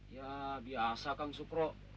ya biasa kang sukro